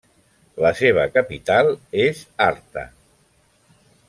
La seva capital és Arta.